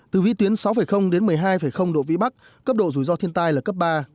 từ vĩ tuyến sáu đến một mươi hai độ vĩ bắc cấp độ rủi ro thiên tai là cấp ba